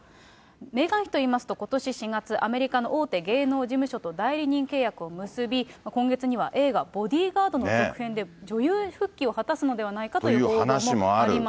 メーガン妃といいますと、ことし４月、アメリカの大手芸能事務所と代理人契約を結び、今月には映画、ボディガードの続編で女優復帰を果たすのではないかという報道もという話もある。